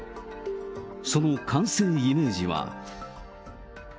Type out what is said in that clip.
その完成イメージは。